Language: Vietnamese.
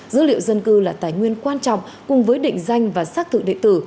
dữ liệu dân cư là tài nguyên quan trọng cùng với định danh và xác thực địa tử